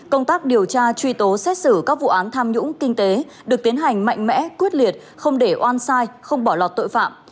công tác điều tra truy tố xét xử các vụ án tham nhũng kinh tế được tiến hành mạnh mẽ quyết liệt không để oan sai không bỏ lọt tội phạm